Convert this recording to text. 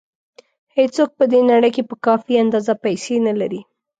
هېڅوک په دې نړۍ کې په کافي اندازه پیسې نه لري.